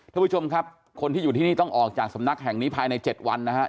ท่านผู้ชมครับคนที่อยู่ที่นี่ต้องออกจากสำนักแห่งนี้ภายใน๗วันนะครับ